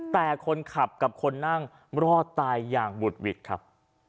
แต่คนขับกับคนนั่งรอดตายอย่างบุดหวิดครับ